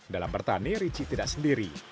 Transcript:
dalam bertani ricik tidak sendiri